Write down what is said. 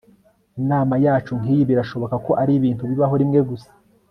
inama yacu nkiyi birashoboka ko aribintu bibaho rimwe gusa